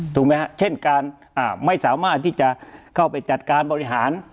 ถูกไหมฮะเช่นการไม่สามารถที่จะเข้าไปจัดการบริหาร